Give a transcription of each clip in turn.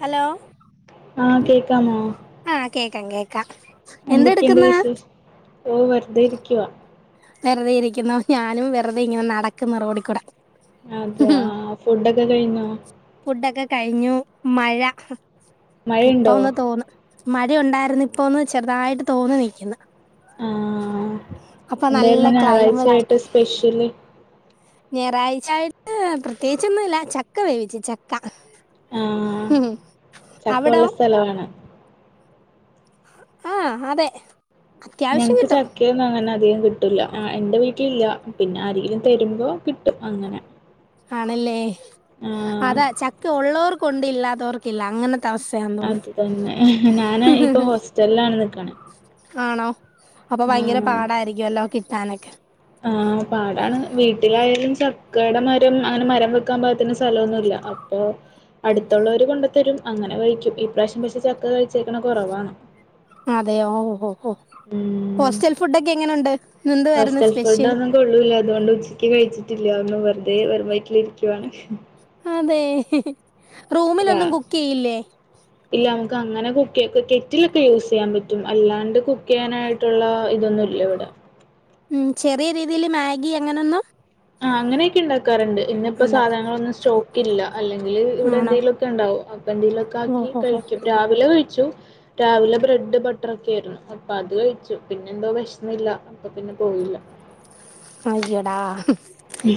Hello ആ കേൾക്കാമോ? ക്കാം കേക്കാം എന്തൊക്കെയുണ്ട് എന്തെടുക്കുന്ന് വിശേഷം? ഓ വെർതെയിരിക്കുവാ. വെറുതെ ഇരിക്കുന്നു ഞാനും വെറുതെ ഇങ്ങനെ നടക്കുന്ന റോഡിക്കൂടെ. അതെയോ ആഹ് ആഹ് ഫുഡൊക്കെ കഴിഞ്ഞോ? ഫുഡൊക്കെ കഴിഞ്ഞു മഴ ഇപ്പ മഴയുണ്ടോ ഒന്ന് തോന്ന് മഴ ഒണ്ടായിരുന്നു ഇപ്പൊന്ന് ചെറുതായിട്ട് തോന്ന് നിക്കുന്ന് ആഹ് എന്തായിരുന്നു ഞായറാഴ്ച ആയിട്ട് സ്പെഷ്യല് ഞായറാഴ്ചായിട്ട് പ്രത്യേകിച്ചൊന്നുല്ല ചക്ക വേവിച്ചു ചക്ക. ആഹ് ചക്ക അവിടോ ഉള്ള സ്ഥല ആണ് ആഹ് അതെ അത്യാവശ്യം ഞങ്ങ്ക്ക് കിട്ടും ചക്കേം മാങ്ങന്ന് അധികാം കിട്ടൂല്ല ആഹ് എന്റെ വീട്ടിലില്ല പിന്നെ ആരെങ്കിലും തരുമ്പോ കിട്ടും അങ്ങനെ ആണല്ലേ. ആഹ് അതാ ചക്ക ഒള്ളവർക്ക് കൊണ്ട് ഇല്ലാത്തവർക്കില്ല അങ്ങനത്ത് അത് തന്നെ ഞാന് ഇപ്പൊ തോന്നുന്നു ഹോസ്റ്റലാണ് ഉള്ളത് കണെ ആണോ അപ്പൊ ഭയങ്കര പാടായിരിക്കുവല്ലോ കി ട്ടാനൊക്കെ ആഹ് പാടാണ് വീട്ടിലായാലും ചക്കെടെ മരം അങ്ങനെ മരം വെക്കാൻ പാത്തിന്ന് സ്ഥലൊ ഒന്നുല്ല അപ്പൊ അടുത്തുള്ളവര് കൊണ്ടു തരും അങ്ങനെ കഴിക്കും ഈ പ്രാവശ്യം പക്ഷെ ചക്ക കഴിച്ചേക്കണ കുറവാണ് അതെ ഓ ഓ ഓ ഓ ഉം ഹോസ്റ്റെൽ ഫുഡ്ക്കെ എങ്ങനെണ്ട് ഹോസ്റ്റൽ ഫുഡ് ഒന്നും കൊള്ളൂല്ല അതുകൊണ്ട് ഉച്ചക്ക് കഴി ച്ചില്ലന്ന് വെറുതെ വെറും വഴറ്റിൽ ഇരിക്കുവാണ് മു അതെ റൂമിലൊന്നും കുക്ക് ചെയ്യില്ലേ ക്ക് അങ്ങനെ കുക്ക് കെറ്റിലൊക്കെ യൂസ് ചെയ്യാൻ പറ്റും അല്ലാണ്ട് കുക്ക് ചെയ്യാനായിട്ടുള്ള ഇതൊന്നു ഇല്ല ഇവിടെ ഉം ചെറിയ രീതിൽ മാഗി അങ്ങനൊന്നും ആ അങ്ങനെയൊക്കെ ഉണ്ടാക്കാറുണ്ട് ഇന്ന ഇപ്പോ ഉണ്ടാക്കാം സാധനങ്ങളന്ന് സ്റ്റോക്ക് ക്കില്ല അല്ലെങ്കിൽ ഇവിടെ ആണോ എന്തെങ്കിലും ഒക്കെ ഉണ്ടാവോ അപ്പൊ എന്തെങ്കലുക്കെ ആക്കി ഓഹോ ഹോ കഴിക്കും രാവിലെ കഴി ച്ചു രാവിലെ ബ്രെഡ് ബട്ടർ ഒക്കെ ആയിരുന്നു അപ്പൊ അത് കഴിച്ചു പിന്നെ എന്തോ വിശമില്ല അപ്പ പിന്നെ പോയില്ല ആയ്യോടാ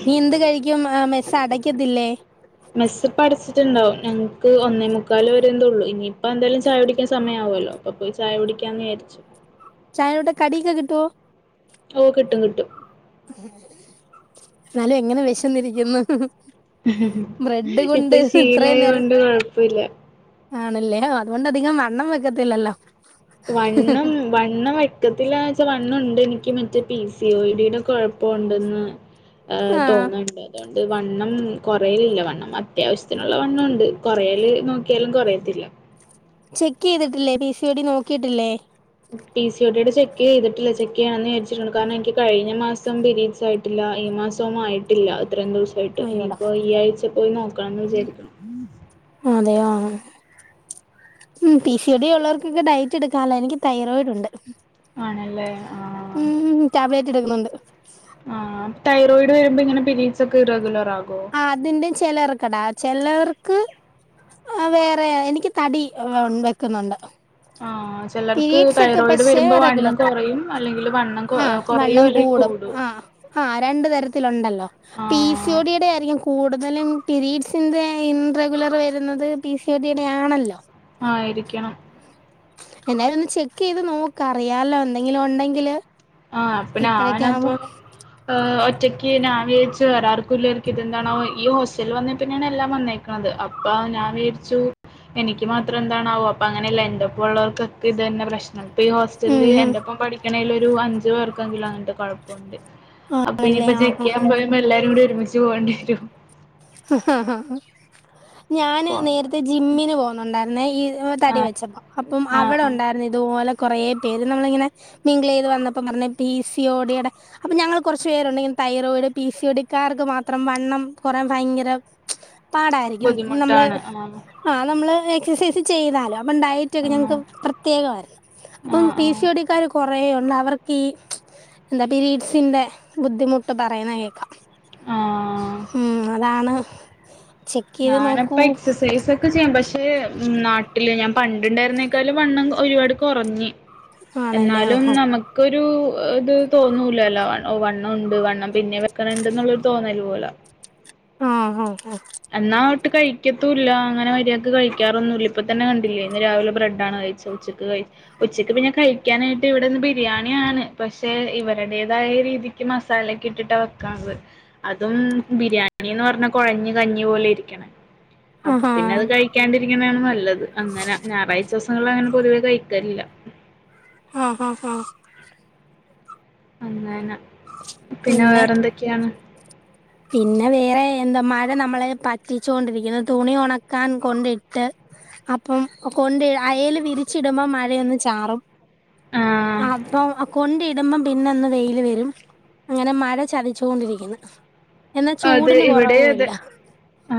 നീ എന്ത് കഴിക്കും ആ മെസ്സ അടക്കത്തില്ലേ ണ്ടാവും ഞങ്ങക്ക് ഒന്നേ മുക്കാല് വരന്തേ ഉള്ളൂ ഇനിയിപ്പ എന്തായാലും ചായ കുടിക്കാൻ സമയാവല്ലോ അപ്പപ്പോയി ചായ കുടിക്കാന്ന് വിചാരിച്ചു ചായടെ കടിക്കെ കിട്ടുവോ ഓ കിട്ടും കിട്ടും എന്നാലും എങ്ങനെ വിശന്നിരിക്കുന്നു ബ്രെഡ് കൊണ്ട് ഇപ്പൊ ഇത്രയും ശീലായ നേരം കൊണ്ട് കൊഴപ്പമില്ല ആണല്ലേ അതുകൊണ്ട് അധികം വണ്ണം വെക്കത്തില്ലല്ലോ വണ്ണം വണ്ണം വെക്കത്തില്ലാച്ചാ വണ്ണംണ്ട് എനിക്ക് മറ്റേ പീസി ഓ ഡി ടെ കൊഴപ്പം മുണ്ടന്ന് ആ തോന്ന്ണ്ട് അതാണ് അത് വണ്ണം കൊറയലില്ല വണ്ണം അത്യാവശ്യത്തിനുള്ള വണ്ണംഉണ്ട് കൊറയല് നോക്കിയാലും കൊറയത്തില്ല ചെക്ക് ചെയ്തിട്ടില്ലേ പി സി ഓ ഡി നോക്കിട്ടില്ലേ പി സി ഓ ഡി യുടെ ചെക്ക് ചെയ്തിട്ട്ല്ല ചെക്ക് ചെയ്യണന്ന് വിചാരിച്ചിട്ടുണ്ട് കാരണം എനിക്ക് കഴിഞ്ഞ മാസം പീരീഡ്സ് ആയിട്ടില്ല ഈ മാസവും ആയിട്ടില്ല ഇത്രയും ദിവസമായിട്ട് അയ്യോടാ ഇനിയിപ്പോ ഈ ആഴ്ച പോയി നോക്കണംന്ന് വിചാരിക്ക്ണ് അതെയോ ആ പി സി ഓ ഡി യു ള്ളവർക്കൊക്കെ ഡയറ്റ് എടുക്കണല്ലേഎനിക്ക് തൈറോയിഡ് ഉണ്ട് ആണല്ലേ ആ ഉം ടാബ്ലറ്റ് എടുക്കുന്നുണ്ട് തൈറോയിഡ് വരുമ്പോ ഇങ്ങനെ പിരീഡസ് ഒക്കെ റഗുലർ ആ അതിന്റെ ചിലർക്കടാ ചിലർ ൻക്ക് വേറെ എനിക്ക് തടി വെക്കുന്നുണ്ട് ആഹ് ചെലർക്ക് പിരീഡ്സ് ഒക്കെ തൈറോയിഡ് പക്ഷെ വരുമ്പോ റഗുലർ വണ്ണം കൊറയും അല്ലെങ്കിൽ വണ്ണം കൊ ആ കൊറയും വണ്ണം അല്ലെ കൂടും ആ ആ രണ്ട് തരത്തിലുണ്ടല്ലോ പി സി ആഹ് ഓ ഡി യുടെ ആയിരിക്കും കൂടു എതായാലും പിരഡ്സിന്റെ ഇൻറെഗുലർ വരുന്നത് പി സി ഒഡിയുടെ ആണല്ലോ ആയിരിക്കണം എന്തായാലും ഒന്ന് ചെക്ക് ചെയ്ത് നോക്ക് അറിയാലോ എന്തെങ്കിലും ഉണ്ടെങ്കില് ആഹ അപ്പ ഇപ്പഴൊക്കെ ഞാനപ്പൊ ആവുമ്പോ അഹ ഒറ്റയ്ക്ക് ഞാൻ വിചാരിച്ചു വേറെ ആർക്കും ഇല്ലായിരിക്കും ഇതെന്താണാവോ ഈ ഹോസ്റ്റലിൽ വന്നപ്പിന്നെയാണ് എല്ലാം വന്നേക്കുന്നത് അപ്പൊ ഞാൻ വിചാരിച്ചു എനിക്ക് മാത്രം എന്താണാവോ അപ്പൊ അങ്ങനെയല്ല എൻ്റൊപ്പം ഉള്ളവർക്കൊക്കെ ഇത് തന്നെ പ്രശ്നം ഇപ്പൊ ഈ ഉം ഹോസ്റ്റലില് ഉം എൻ്റൊപ്പം പഠിക്കണേൽ ഒരു അഞ്ച് അ കുഴപ്പണ്ട് അപ്പൊ ആണല്ലേ ഇയിപ്പ ആഹ് ചെക്ക് ആഹ് ചെയ്യാൻ പോയപ്പോ എല്ലാരും കൂടെ ഒരുമിച്ച് ണ്ടിരും [unintelligible] ആഹ ഹഹ ഞാൻ പോ- നേരത്തെ ജിമ്മിന് പോകുന്നുണ്ടായിരുന്നു പിന്ന ഈ തടി ആഹ് വെച്ചപ്പോ അപ്പോ ആഹ് അവിടെ ആഹ് ഉണ്ടായിരുന്നു ഇതുപോലത്തെ കുറേ പേര് നമ്മളിങ്ങനെ മിംഗിൾ ചെയ്ത് വന്നപ്പോ പറഞ്ഞ പി സി ഓടിയുടെ അപ്പ ഞങ്ങൾ കുറച്ച് പേരുണ്ട് തൈറോയിഡ് പി സി ഓടിക്കാർക്ക് മാത്രം വണ്ണം കുറ ഭയങ്കര പാടായിരിക്കും നമ്മള് ബുദ്ധിമുട്ടാണ് ആഹ് ആഹ നമ്മള് എക്സസൈസ് ചെയ്താലോ അപ്പം ഡയറ്റ് ഒക്കെ ഞങ്ങക്ക് ആണോ പ്രത്യേകമായിരുന്നു അപ്പം ആഹ് പി ആഹ് സി ഓടിക്കാർ കുറേ ഉ അവർക്കി പിരീഡ്സിന്റെ ബുദ്ധിമുട്ട് പറയുന്നത് കേൾക്കാം ആഹ് ഉം ആണ് ഞാനിപ്പ എക്സസൈസ് ഒക്കെ ചെയ്യും പക്ഷേ നാട്ടില് ഞാൻ പണ്ട് ഉണ്ടായിരുന്നേക്കാലം വണ്ണം ഒരുപാട് കുറഞ്ഞ് ആണല്ലേ എന്നാലും ആഹാ നമുക്കൊരു ഇത് തോന്നൂലല്ലോ വൺ ഓ വണ്ണം ഉണ്ട് വണ്ണം പിന്നെ വെക്കണണ്ട് എന്നുള്ളൊരു തോന്നല് പോല ആ ആ ആ എന്നാ ഒട്ട് കഴിക്കത്തൂല്ല അങ്ങനെ മര്യാക്ക് കഴിക്കാറൊന്നുമില്ല ഇപ്പ തന്നെ കണ്ടില്ലേ ഇന്ന് രാവിലെ ബ്രെഡാണ് കഴിച്ചത് ഉച്ചക്ക് കഴി ഉച്ചക്ക് പിന്നെ കഴിക്കാനായിട്ട് ഇവിടെ ഇന്ന് ബിരിയാണിയാണ് പക്ഷെ ഇവരുടേതായ രീതിക്ക് മസാലക്കെ ഇട്ടിട്ടാണ് വെക്കണത് അതും ബിരിയാണിന്ന് പറഞ്ഞ കുഴഞ്ഞ് കഞ്ഞി പോലെ ഇരിക്കണ അപ്പൊ ആഹാ പിന്നെ അത് കഴിക്കാണ്ടിരിക്കണാണ് നല്ലത് അങ്ങനാ ഞായറാഴ്ച്ച ദിസ ഞങ്ങള് അങ്ങനെ പൊതുവേ കഴിക്കലില്ല ആഹ് ആ ആ അങ്ങന പിന്നെ വേറെന്തൊക്കെയാണ് പിന്നെ വേറെ എന്താ മഴ നമ്മളെ പറ്റിച്ചോണ്ടിരിക്കുന്നു തുണി ഉണക്കാൻ കൊണ്ടിട്ട് അപ്പം കൊണ്ട് അയേൽ വിരിച്ചിടുമ്പോ മഴയൊന്ന് ചാറും ആഹ് അപ്പം കൊണ്ടിട്ട് കൂടുമ്പം പിന്നെ അങ്ങ് വെയിൽ വരും ഇങ്ങനെ മഴ ചതിച്ചോണ്ടിരിക്കുന്നു അതെ ഇവിടെ അതെ ആ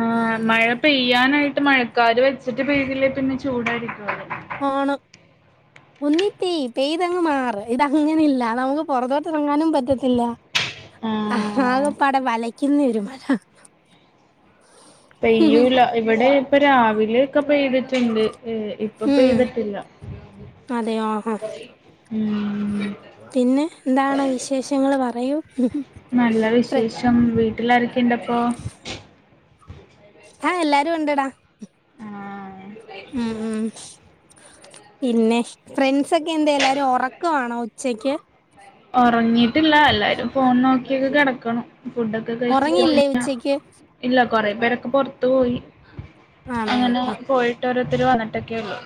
മഴ പെയ്യാനായി ട്ട് മഴക്കാറ് വെച്ചിട്ട് പെയ്തില്ലേ പിന്നെ ചൂടായിരിക്കും അവ് ആണ് ഒന്നി പെയ്യ് പെയ്തങ്ങ് മാറ് ഇതങ്ങനെല്ല നമുക്ക് പൊറത്തോട്ട് ഇറങ്ങാനും പറ്റത്തില്ല ആഹ് ആകപാടെ വലെ ഇന്നിയൊരു മഴ പെയ്യൂല്ല ഇവിടെ ഇപ്പ രാവിലെക്കെ പെയ്തിട്ട്ണ്ട് എ ഇപ്പ ഉം പെയ്തിട്ടില്ല അതെയോ? മ് പിന്നെ എന്താണ് വിശേഷങ്ങള് പറയൂ നല്ല പ്ര വിശേഷം വീട്ടിലാരൊക്കെയുണ്ടപ്പോ ആഹ് എല്ലാരും ഉണ്ടടാ. ആഹ് പിന്നെ ഫ്രണ്ട്സോക്കെന്തേ എല്ലാരും ഒറക്കവാണോ ഉച്ചക്ക്? ഒറങ്ങി ട്ടില്ല എല്ലാരും ഫോണ് നോക്കി ഇത് കെടക്കണം. ഒറങ്ങില്ലേ ഉച്ചയ്ക്ക്? ഇല്ല, കൊറെ പേരൊക്കെ പൊറത്ത് പോയി. ആണോ ആ അങ്ങനെ ആ പോയിട്ടൊരോ ര് വന്നിട്ടൊക്കെയൊള്ളു.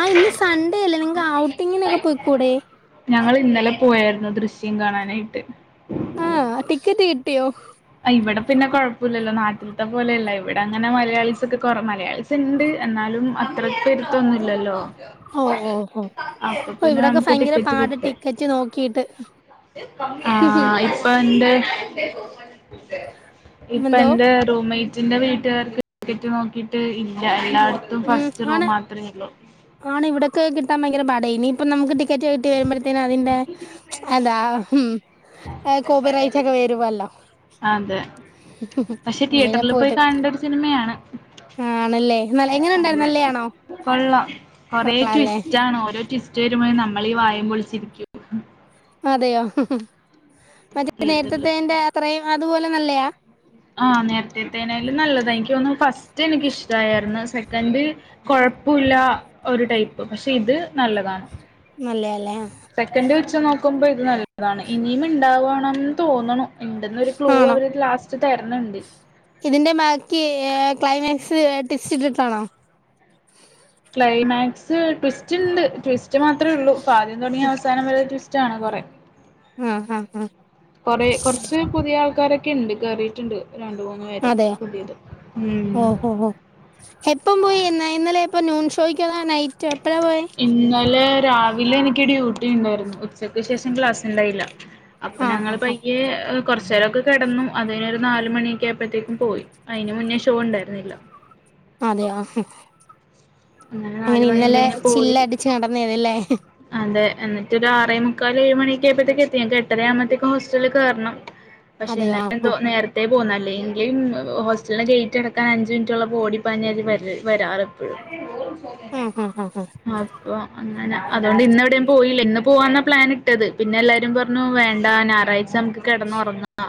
ആഹ് ഇന്ന് സൺഡേ അല്ലേ നിങ്ങക്ക് ഔട്ടിങ്ങിനൊക്കെ പോയിക്കൂടെ ഞങ്ങൾ ഇന്നലെ പോയായിരുന്നു ദൃശ്യം കാണാനായിട്ട് ആഹ ടിക്കറ്റ് കിട്ടിയോ ഇവിടെ പിന്നെ കൊഴപ്പല്ലല്ലോ നാട്ടില്ത്തെ പോലെയല്ല ഇവിടെ അങ്ങനെ മലയാളിസൊക്കെ കൊറ മലയാളിസ്ണ്ട് എന്നാലും അത്ര പെരുത്തോന്നുല്ലല്ലോ ഓ ഓ ഓ ഓ അപ്പപിന്നെ ഇവിടൊക്കെ നമക്ക് ഭയങ്കര ടിക്കറ്റ് പാട് കിട്ടും ടിക്കറ്റ് നോക്കിയിട്ട് ആഹ് ഇപ്പണ്ട് കുത്തേ ഇപ്പ എന്തോ എന്റെ റൂമെയ് പിന്നെ വീട്ടാർക്ക് ടിക്കറ്റ് നോക്കിട്ട് ഇല്ലായിരുന്നു എല്ലാട്ത്തും ഉം ഫസ്റ്റ് ആണ് റൂം മാത്രേള്ളു ഭയങ്കരപാടയിനി ഇപ്പ നമുക് ടി ടിക്കറ്റ് കിട്ടി വരുമ്പോഴത്തേക്ക് അതിന്റെ എന്താ കോപ്പി റൈറ്റ് ഒക്കെ വരുവല്ലോ അതെ പക്ഷെ അങ്ങനെ തിയേറ്ററിൽ പോയി പോയിട്ട് കാണേണ്ട ഒരു സിനിമയാണ് ആണല്ലേ നല്ല എങ്ങനെ ഉണ്ടായിരുന്നു അതെ നല്ലയാണോ കൊള്ളാം കൊറേ കൊള്ളാല്ലേ ട്വിസ്റ്റ് ആണ് ഓരോ ട്വിസ് റ്റ് വരുമ്പോയു നമ്മള് ഈ വായേം പൊളിച്ചിരിക്കു അതെയോ മറ്റേ തിയേറ്ററില് നേരത്തെതേന്റെ അത്രയും അതുപോലെ നല്ലയാ ആഹ നേരത്തെത്തേനായാലും നല്ലതാണ് എനിക്ക് തോന്നുന്നു ഫസ്റ്റ് എനിക്ക് ഇഷ്ടമായിരുന്നു സെക്കൻഡ് കൊഴപ്പില്ല ഒരു ടൈപ്പ് പക്ഷെ ഇത് നല്ലതാണ് നല്ലെയാ അല്ലേ സെക്കൻഡ് വെച്ച നോ നക്കുമ്പോ ഇത് നല്ലതാണ് ഇനിയും ഉണ്ടാവണംന്ന് തോന്നണ് ഇണ്ടന്നരു ക്ലൂ ആണോ അവര് ലാസ്റ്റ് തരന്നുണ്ട് ഇതിന്റെ ബാക്കി ക്ലൈമാക്സ് ടിസ്റ്റ് ഇട്ടിട്ടാണോ ക്ലൈമാക്സ് ട്വിസ്റ്റ് ഉണ്ട് ട്വിസ്റ്റ് മാത്രമേ ഉള്ളൂ ആദ്യം തുടങ്ങിയ അവസാനം വരെടുസ്റ്റ് [unintelligible] ച്ചാണെന്ന് പറയും ആഹ് ആഹ് ആഹ് കൊറെ കൊർച്ച് പുതിയ ആൾ- കാരെക്കെണ്ട് കേറിട്ട്ണ്ട് അതെ ഓഹോ ഹോ എപ്പം പോയി എന്നാ ഇന്നലെയെപ്പം നൂൺ ശ് - [unintelligible] നൈറ്റ് എപ്പഴാ പോയെ ഇന്നലെ രാവിലെ എനിക്ക് ഡ്യൂട്ടി ഉണ്ടായിരുന്നു ഉച്ചക്ക് ശേഷം ക്ലാസ്ണ്ടായില്ല അപ്പൊ ആഹ് ഞങ്ങള് ആഹ് ആഹ് ബയ്യേ [unintelligible] കുറചെരൊക്കെ കെടന്നു അതിനൊരു നാല് മണിക്കെ ആയപ്പോഴത്തേക്കും പോയി അതിന് മുന്നേ ഷോ ഉണ്ടായിരുന്നില്ല ആ അതെ ആ ഹും അങ്ങനെ നാലുമണീന്റെന് പോയി നടന്നേതല്ലേ അതെ എന്നിട്ട് ഒരു ആറേ മു- മുക്കാല് ഏഴ് മണിക്കൊയ്പ്പോ ഴത്തേക്കും എത്തി ഞങ്ങക് എട്ടര ആവുമ്പോത്തേക്കും ഹോസ്റ്റല് കേറണം പക്ഷെ അതെയോ ഇന്നലെ ആ എന്തോ ആ നേരത്തെ പോന്നല്ലേ എ [unintelligible] ഹോസ്റ്റലിന്റെ ഗേറ്റ് അടക്കാൻ അഞ്ച് മിനിറ്റുള്ളപ്പോ ഓടി പാഞ്ഞു [unintelligible] വരാറ് എപ്പോഴും ആ ആ ആ ആ ഉ അപ്പൊ അങ്ങന അതോണ്ട് ഇന്ന് എവിടേം പോയില്ല ഇന്ന് പോവാന്ന പ്ലാൻ ഇട്ടത് പിന്നെ എല്ലാരും പറഞ്ഞു വേണ്ട ഞായറാഴ്ച നമുക്ക് കിടന്ന് ഒറങ്ങാ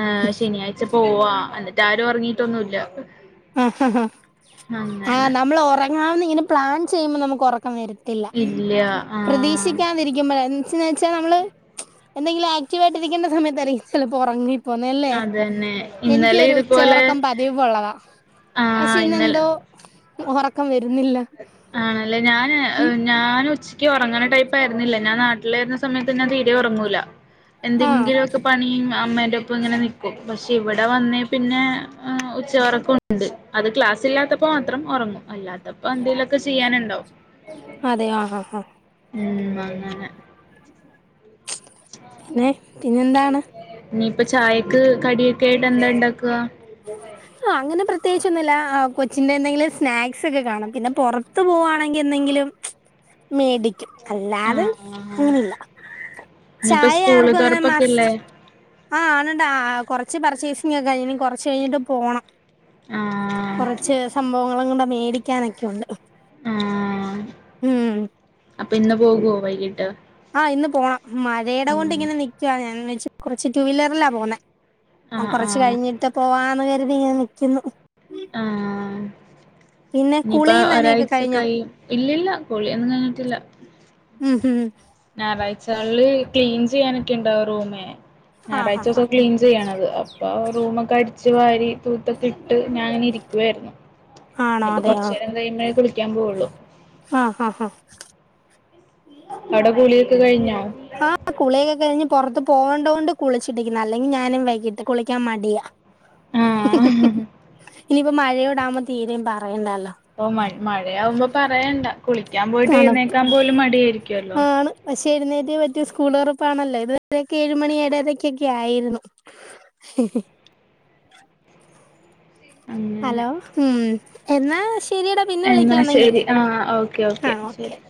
ആ ശനിയാഴ്ച്ച പോവാ അന്നിട്ട് ആരു ഒറങ്ങീട്ടൊന്നുല്ല ആ ഹ ഹാ ആ അങ്ങനെ. നമ്മള് ഒറങ്ങി - [unintelligible] ഇങ്ങെനെ പ്ലാൻ ചെയ്യ്പോ നമക്ക് ഒറക്ക് പ്പ വരത്തില്ല ഇല്ല ആഹ്. പ്രതീക്ഷിക്കാതിരിക്കുമ്പഴെ ന്ത്‌ ന്ന് വെച്ചാ നമ്മള് എന്തെിലും ആക്റ്റീവ് ആയിട്ടിരിക്കേണ്ട സമയതായിരിക്കും ചിലപ്പോ ഉറങ്ങി -ന്നല്ലേ അതന്നെ. എനിക്ക് ഇന്നലെ ഒരു ഉച്ച ഇതുപോലെ ഉറക്കം പതിവ്ള്ളതാ പക്ഷെ ആഹ് ഇന്നലെ ഇന്നെന്തോ ഉറക്കം വര് - ആണല്ലേ ഞാന് ഉം ഞാന് ഉച്ചക്ക് ഉറങ്ങണ ടൈം പ്പ ആരുന്നില്ല ഞാൻ നാട്ടിലായിരുന്ന സമയത്ത് ഞാൻ തീരെ ഒറങ്ങൂല ആ എന്തെങ്കിലൊക്ക പണിയും ആ അമ്മേന്റെ ഒപ്പ ഇങ്ങനെ നിക്കും പക്ഷെ ഇവിടെ വന്നേ പിന്നെ അഹ് ഉച്ചയൊറക്ക ഉണ്ട് അത് ക്ലാസ്സില്ലാത്തപ്പോ മാത്രം ഒറങ്ങും അല്ലാത്ത വന്തേലൊക്കെ ചെയ്യാനുണ്ടോ അതെയോ ആ ആ ആ ഉം വങ്ങന നേ പിന്നെന്താണ് ഇനിയിപ്പ ചായക്ക് കടിയക്കെ ആയിട്ട് എന്താ ഉണ്ടാക്കുക ആ അങ്ങനെ പ്രത്യേകിച്ചൊന്നുല്ലാ അഹ് കൊച്ചിന്റെ എന്തെങ്കിലും സ്നാക്സ് ഒക്കെ കാണും പിന്നെ പൊറത്ത് പോവാണെങ്കി എന്തെങ്കിലും മേടിക്കും ആ അല്ലാത് അങ്ങനില്ല ഇനിയിപ്പ ചായ സ്കൂള് ആർക്കും അങ്ങനെ മസ്റ്റ് തുറപ്പൊക്കെല്ലേ ആ ആണണ്ടാ ആ ആ കൊറച്ച് പറി ചേസിങ്ങ് കൈനി കൊറച്ച് കഴിഞ്ഞട്ട് പോണം ആ കുറച്ച് സംഭവങ്ങളങ്ങണ്ട മേ ടിക്കാനൊക്കെയുണ്ട് ആ ഉം പ്പിന്ന് പോകോ വൈകിട്ട് ആ ഇന്ന് പോണ മഴേട കൊണ്ട് ഉം ഇങ്ങനെ നിക്കുവാ ഞാൻ വെച് കൊറച്ച് ടു വീല്ലറില്ലാ പോന്നേ ആ അ കൊറച്ച് ആ കഴിഞ്ഞിട്ട് പോവാന്ന് ഇത്തീയ നിക്കുന്നു ആ പിന്നെ ഇനിപ്പ കുളിയും നനയൊക്കെ ഒരാഴ്ച കഴിഞ്ഞോ കൈ ഇല്ലില്ല കുളിയൊന്നും കയിഞ്ഞിട്ടില്ല ഉം ഹും ഞായറാഴ്ചകള്ല് ക്ലീൻ ചെയ്യാനൊക്കെ ഉണ്ടാവ റൂമേ ആ ഹാ ഹാ ഞായറാഴ്ച്ചോസോ ക്ലീൻ ചെയ്യണത് അപ്പൊ റൂമൊക്കെ അടിച്ച് വാരി തൂത്തൊക്കെ ഇട്ട് ഞാനിരിക്കുവാരുന്നു ആണോ ഇപ്പൊ കൊറചേരം കഴിയുമ്പഴേകു ക്യാമ്പോള്ളൂ ആ ഹ ഹാ അവ്ടെ കുളിയൊക്കെ കഴിഞ്ഞോ ഹാ കുളിയൊക്കെ കഴിഞ്ഞ് പൊറത്ത് പോകേണ്ടോണ്ട് കുളിച്ചിട്ടിക്ക്ന്ന് അല്ലെങ്കി ഞാനും വൈകിട്ട് കുളിക്കാൻ മടിയാ ആ ഹഹ് ഇനിയിപ്പ മഴയോടകുമ്പം തീരേം പറയണ്ടാല്ലോ ഓ മഴ്‌ മഴയാവുമ്പോ പറയണ്ട കുളിക്കാൻ പോയിട്ട് തണുപ്പ് എഴുന്നേക്കാൻ പോലും മടിയെരിക്കുവല്ലോ ആണ് പക്ഷെ എഴുന്നേറ്റേ പറ്റു സ്കൂള് തൊറപ്പാണല്ലേ ഇത് വരെക്കേഴുമണി ഏഴരകെക്കെ ആയിര്ന്നു അങ്ങനെ ഹലോ ഉം എന്നാ ശരിയടാ പിന്നെ എന്നാ വിളിക്കാന്നെങ്കി ശരി ആ ഓക്കെ ഓക്കെ ശരി